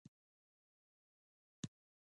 ایا زه باید وازګه وخورم؟